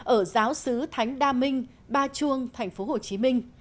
ở giáo sứ thánh đa minh ba chuông tp hcm